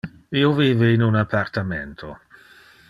Io vive in un appartamento.